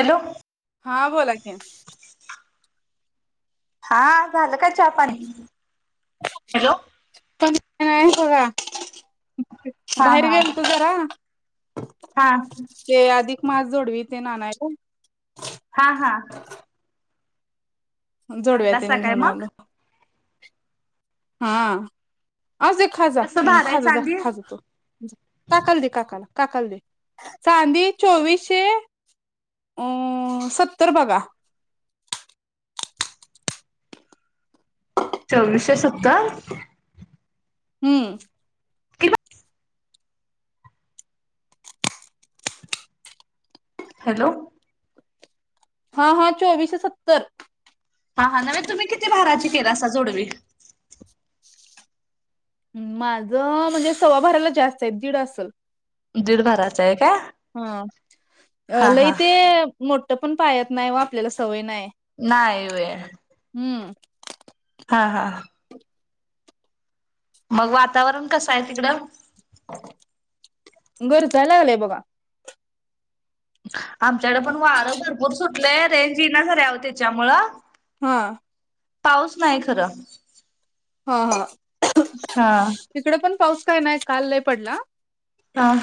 Hello. हा बोला कि हा झालं का चहा पाणी हॅलो [unintelligible] हा बाहेर हा गेलतो जरा हा ते आधी मास जोडवी ते नानाला हा हा आणलासा जोडव्यातील काय घेऊन मग आलो. हा. अजे खाजा कसं भार आहे खाज जा चांदी खाज तू काकाला दे काकाला. काकाला दे चांदी चोवीसशे अ सत्तर बघा. चोवीसशे सत्तर हम्म. हॅलो. हा हा चोवीशे सत्तर. हा हा नव्हे तुम्ही किती भाराची केलासा जोडवी माझं म्हणजे सव्वाभराला जास्त आहे दीड असल. दीड [unintelligible] भराचा आहे काय हा अ हा लई हा ते मोठ पण पाहात नाय व आपल्याला सवय नाय. नाही वेळ हममम हा हा मग वातावरण कसं आहे तिकडं? घर चालायेला बघा. आमच्याकडे पण वारं भरपूर सुटलंय रेंज येना झालिया त्याच्यामुळ हाआ पाऊस नाही खरं हा हा हा तिकडे पण पाऊस काय नाय काल लय पडला. हाआआ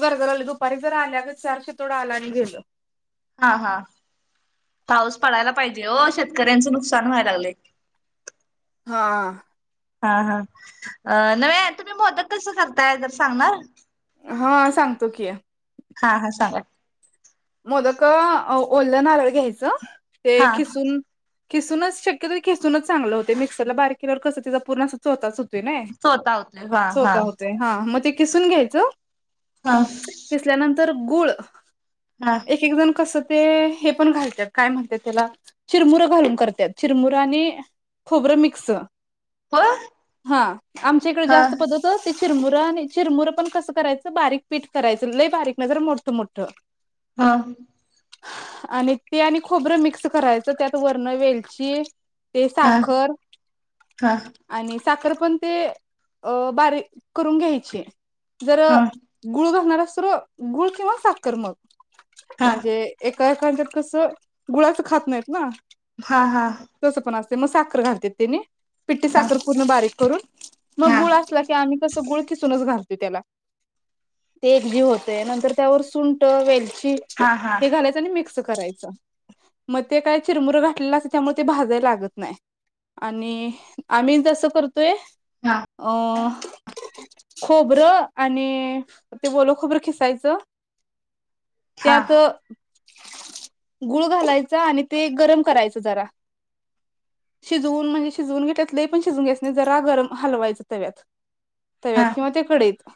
घरघर दुपारी जर आल्यागत थोडं आला आणि गेलं. हा हा पाऊस पडायला पाहिजे हो शेतकऱ्यांचं नुकसान व्हायला लागले. हा हा हा नव तुम्ही मदत कस करताय जर सांगणार. हा सांगतो कि हा हा सांगा मोदक ओललं नारळ घ्यायचं हा तेीसून खिसूनच शक्यतरी खिसूनच चांगलं होते मिक्सरला बारीक केल्यावर कसंिचा पूर्ण चतच स्वतः होतोय हा [inaudible] हा स्वत होते हा मग किसून घ्यायचं हा खचल्यानंतर गुळ हा एक एक जण कस ते हे पण घालतात काय म्हणतात त्याला चिरमुरं घालून करतात चिरमुरं आणि खोबरं मिक्स हो हा आमच्या इकडे हा हा जास्त पद्त चिरमुरं आणि चिरमुरं पण कसं करायचं बारीक पीठ करायचं लय बारीक नजर मोठं मोठं हा आणि ते आणि खोबरं मिक्स करायचं त्यात वर्ण वेलची ते हा साखर हा हा आणि साखर पण ते बारीक करून घ्यायची जर गुळू बसणार त गुळ किंवा साखर म्हणजे एक काय कायांच्यात कसं गुळाचं खात नाहीत ना हा हा हा तस पण असते मसाख साखर घालतात तिने पिट्टठी साखर पूर्ण बारीक करून मग हा हा गुळ असला की आम्ही कसं गुळ खिसूनच घालतो. त्याला ते एकजीव होतय नंतर त्यावर सु ट वेलची हा हे घालायच आणि मिक्स करायचं मग ते काय चिरमुर घातलेलं असतं त्यामुळे भाजायला लागत नाही. आणि आम्ही तोय आं खोबरं आणि ते ओल खोबरं खिसायचं. हा हा हा त्यात गुळ घालायचा आणि ते गरम करायच जरा शिजवून म्हणजे शिजवून घेटतलं लई पण शिजवून घ्यायच नाही जरा गरम हलवायच तव्यात तव्यात किंवा ते कढईत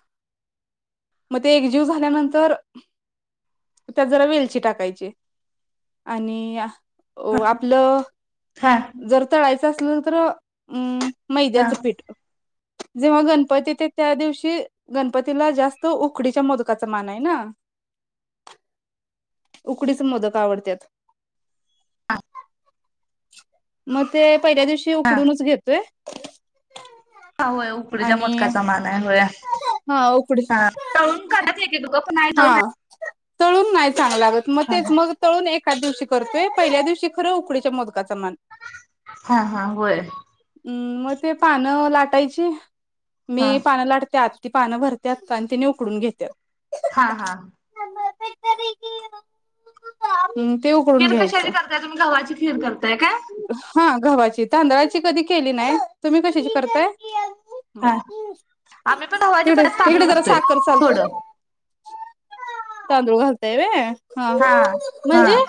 मग ते एकजीव झाल्यानंतर त्यात जरा वेलची टाकायची आणि अ आपलं हा जर तळायचं. असलं तर अम. हा हा मैद्याचं हा पीठ. जेव्हा गणपती ते त्या दिवशी गणपतीला जास्त उकडीच्या मोदकाचा मान आहे ना उकडीचे मोदक आवडत्यात. मते. पहिल्या दिवशी उकडूनच घेतोय. हा होय उकडीच्या आणि मोदकाचा मान आहे होय. हा उकडी तळून काढतात एकेक लोक. नाही हा तळून नाही. तळून नाही. चांगल लागत मग तेच मग तळून एका दिवशी. करतोय पहिल्या दिवशी खरं उकडीच्या मोदक. मोदकाचा मान हा होय मग. ते पानं लाटायची. हा मी पान लाटतात. ती पानं भरत्यात आणि तेनी उकडून घेत्यात. हा हा. [unintelligible] खीर घ्यायचं कशारी करताय तुम्ही घवाची? खीर करताय काय? हा गव्हाची तांदळाची कधी केली नाही तुम्ही कशाची करताये. हा आम्ही पण गव्हाच्या इकडे पण तांदूळ इकडे जरा घालतोय साखर सरकव. थोडं तांदूळ घालताय वय. हा म्हणजे.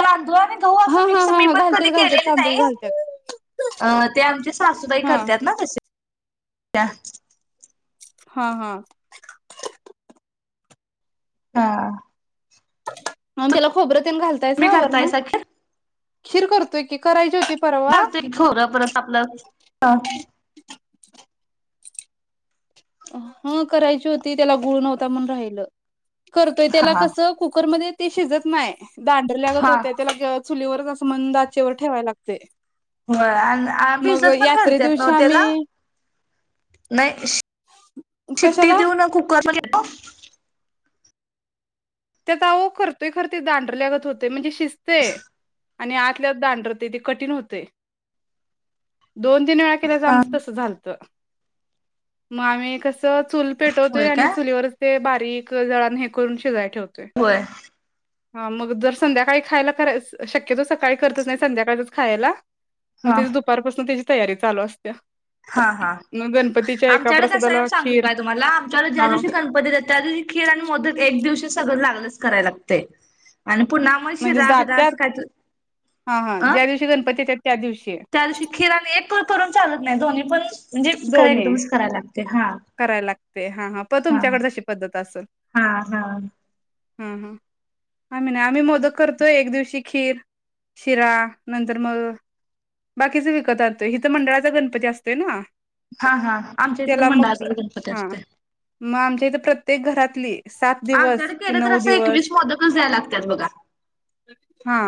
तांदुळात. गहु असं हा हा मिक्स हा मी हा पण कधी घालत्यात घालत्यात केलेले तांदूळ नाही घालत्यात अ ते आमचे सासूबाई हा करतात ना तसे. त्या. हा हा. हा! आणि त्याला खोबरं त. घालताये तुम्ही सा वरन. करतायसा खीर करतोय की करा ई. चालतो एक खोरं परत आपलं ह. ह करायची होती त्याला गुळ नव्हता म्हण राहिलं करतोय हा त्याला हा कस कुकरमध्ये ती शिजत नाय दांडर ल्यागत हा होतोय त्याला गिळत चुलीवरच अस मंद आचेवर ठेवाय लागतंय होय आणि आ मग भिजत पण यात्रे घालत्यात ना हो दिवशी त्याला आम्ही नाय शिट्टी कशाला देऊ न कुकर बघितलो त्यात आहो करतोय खरं ते दांडर ल्यागत होतंय म्हणजे शे किस्तय आणि आतल्यात दानडरतय ते कठीण होतय दोन तीन वेळा केल्याच आमचं तसं झालतं म आम्ही कसं त चूल पेटवतोय होय आणि काय चुलीवरच ते बारीक कर जान हे करून शिजवाय ठेव होय मग दर संध्याकाळी खायला करायच शक्यतो सकाळी करतच नाही संध्याकाळचच खायला मग हा तेच दुपारपासन त्याची तयारी चालू असत्या हा मग गणपतीच्या एका आमच्याकडे कसं प्रसादाला आहे सांगू खीर काय तुम्हाला आमच्याकडे ज्या हा दिवशी गणपती त्या दिवशी खीर आणि मोदक एक दिवशी सगळं लागलच कराय लागतय म्हणजे जात्यात हा हा अ ज्या दिवशी गणपती येतात त्या दिवशी त्या दिवशी खिरण एक करून चालत नाही दोन्ही पण म्हणजे खरां दोन्ही एकदमच कराय लाग करायला लागते हा हा पण तुमच्याकडे जशी पद्धत असेल हा हा हम हा आम्ही नाही आम्ही मोदक करतोय एक दिवशी खीर शिरा नंतर मग बाकीच विकत आणतोय ईथ मंडळाचा गणपती असतोय ना हा हा आमच्या इथ पण त्याला मंडळाचा गणपती असतोय. ते प्रत्येक घरातली सात दिवस आमच्याकड कि केल तर नऊ असं दिवस एकवीस मोदकच द्याय लागत बघा हा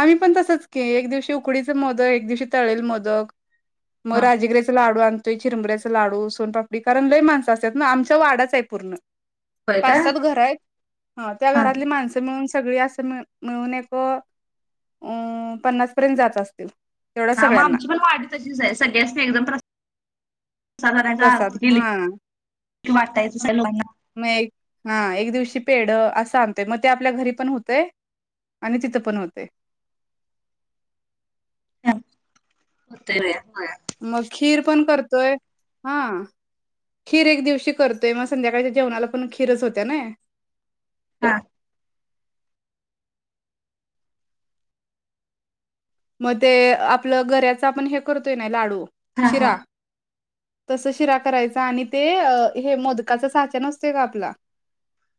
आम्ही पण तसच के एक दिवशी उकडीच मोदक एक दिवशी तळेल मोदक मग ह राजीगराचा लाडू आण त चिरमबड्याच लाडू सोनपापडी कारण लय माणसं असतात. ना आमच्या वाडाच आहे. पूर्ण होय का पाच सात घर आहेत. त्या हा घरातली माणस मिळून सगळी असं मिळून एक अ पन्नास पर्यंत जात असतात. हा मग आमची पण वाढ तशीच आहे. सगळ्यास मी एकदम प्रसाद आणायचा प्रसाद आरती केली हा की वाटायचं सगळ्या लोकांना मग एक दिवशी पेढ असं आणत मग ते आपल्या घरी पण ह होतेय. आणि तिथ पण होतय. होतय बया म खीर पण करतोय हा खीर एक दिवशी करतोय मग संध्याकाळच्या जेवणाला पण खीरच होती ना. हा मग ते आपलं गर्रच आपण हे करतोय ना लाडू हा हा शिरा तस शिरा करायचा आणि ते हे मोदकाचा साचा नसत का आपला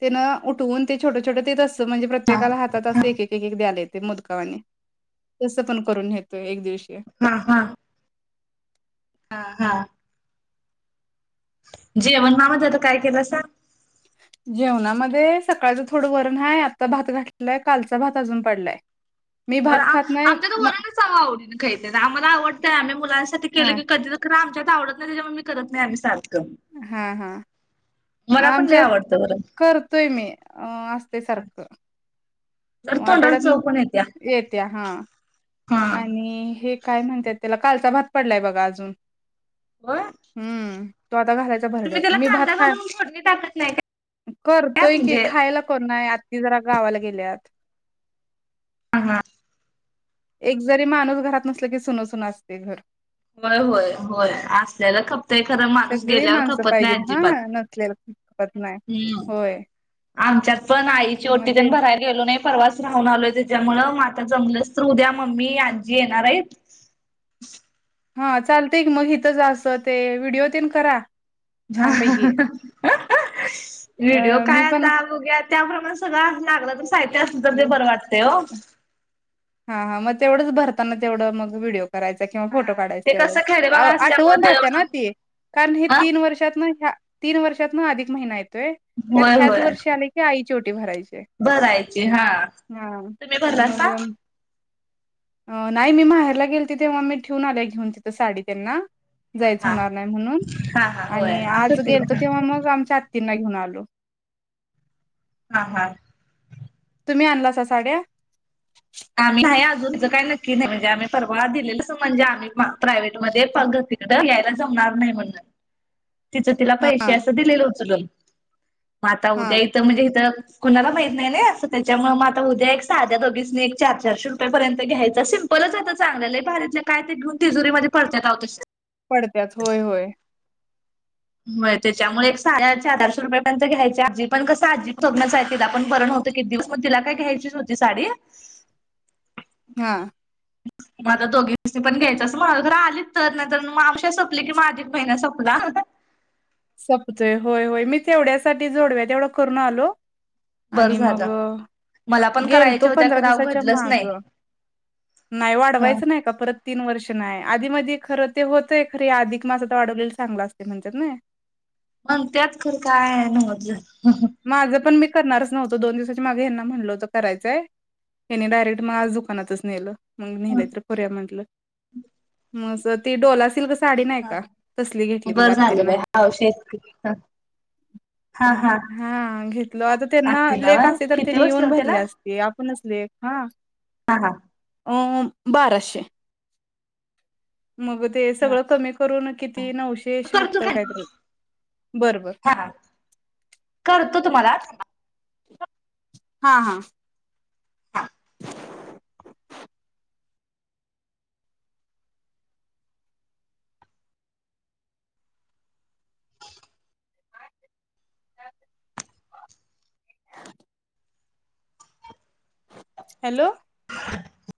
तेन उठवून ते छोटं छोटं ते तस म्हणजे हा प्रत्येकाला हात हा अस एक एक द्यायला येते ते मोदकावानी तसं पण करून घेतोय एक दिवशी हा हा हा हा जेवणामध्ये आता काय केलं सांग जेवणामध्ये सकाळचं थोडं वरण आहे. आता भात घातलाय कालचा भात अजून पडलाय. मी हो भात खात नाही आमच्या तर म वरणच आवडीन खायच आम्हाला आवडतंय आम्ही मुलांसाठी केलं हां की कधी तर खर आमच्या आवडत नाही त्याच्यामुळ आम्ही करत नाही आम्ही सारखं हा हा मला पण लय आमच्यात आवडतं वरण करतोय मी अ असते सारखं तर तोंडाला आठवड्यात चव पण येत्या येत्या हा हा आणि हे काय म्हणतात त्याला कालचा भात पडलाय बघा अजून होय हम्म तो आता घालायचा भरड्यात तुम्ही त्याला मी भात कांदा खा घालून फोडणी टाकत नाही काय करतोय की म्हणजे खायला कोण नाही त जरा गावाला गेल्यात ह हा एक जरी माणूस घरात नसला की सुनसना असते घर होय होय होय असल्याला खप ते खरं माणूस सगळी गेल्यावर माणसं खपत नाही पाहिजेत अजिबात हां नसलेलं खपत नाही. हम्म होय आमच्यात पण आईची मग ओटी त्यां ते भरायला गेलो नाही परवास राहून आलोय त्याच्यामुळ आता जमलंस तर उद्या मम्मी आजी येणार आहे हा चालत मग इथं जा असं ते व्हिडिओ तेन करा छानपैकी व्हिडिओ अ काय मी पण आता बघ्या त्याप्रमाणे सगळं लागला साहित्य असल तर ते बरं वाटते हो हा हा मग तेवढंच भरताना तेवढं मग व्हिडिओ. करायचा किंवा फोटो हा ते काढायचा एवढं कसं खेडेभाग असल्यामुळे आठवून ते राहते एवढं ना तेी कारण हे हा तीन वर्षात नाही. ह्या तीन वर्षात ना अधिक महिना आहेत. त्यात होय ह्याच होय वर्षी आले की आ चोटी भरायची. भरायची हा हा तुम्ही मग भरलासा का? अ नाही मी माहेरला गेल तिथेव्हा मी ठेऊून आल्या घेऊन तिथं साडी त्यांना. हा जायच हा होणार नाही म्हणून हा हा होय आणि आज असंच गेल तरो तिकडं तेव्हा मग आमच्या आ. तिना घेऊन आलो. हा हा. तुम्ही आणलासा साड्या? आम्ही नाही अजूनच काही नक्की नाही म्हणजे आम्ही परवाळा दिलेल म्हणजे आम्ही प्रायव्ट मध्येगतीकडे या्यायला जमणार नाही म्हणून. तिचं तिला पैसे हा असं दिलेलं उचलून. माता हा उद्या इथं म्हणजे इथं कुणाला माहीत नाही असं त्याच्यामुळे मग आता उद्या एक साध्या दोघीसनी. चार चारशे रुपयाेपर्यंत घ्यायचं, सिंपलचता चांगलंही भारीतलं काय ते घेऊन तिजरीमध्येध्ये पडत्यात अहो तसायचं. पडत्यात होय होय. हो त्याच्यामुळे एक साड्याचे अधारशे रुपयापर्यंत घ्यायची आजी पण कस आजी जग्य आपण बर नवतं कि दिवस म तिला काय घ्यायचीच होती साडी. हा. मग आत्ता दोघी दिवशी पण घ्यायचं अस माझ घर आलीच तर नाही आमवश्या सोपली कि माझी एक बहिण सोपला. सपतय होय होय मी तेवढ्यासाठी जोडव्या तेवढं करून आलो. बरं आणि झालं मग मला पण गेलतो करायच्या होत्या पंधरा खरं अहो दिवसाच्या घडलंच माग नाही. नाही हा वाढवायच नाही का परत तीन वर्ष नाही आधी मधी खरं ते होतय खर या अधिकमासात वाढवलेल चांगल असतय म्हणत्यात नई म्हणत्यात खरं काय नव्हच झालं माझं पण मी करणारच नव्हतो दोन दिवसाचे मागे हेना म्हटलं होतं करायचंय हेनी डायरेक्ट मग आज दुकानातच नेलं. मग नेलं तर करुया म्हटलं म ते डोला सिल्क कस हा, हा बर झाल बाई हौशी आहेत की हा, हा हा घेतल आता त्यांना आत्तीला लेक व्हय आसती तर किती तेनी येऊन बसलं त्याला भरले असते आ पणच लेक हा हा हा अ बाराशे मग ते हा सगळ कमी करून किती नऊशे करतो शहात्तर हा काय तर बर बर हा करतो तुम्हाला हा हा हा हॅलो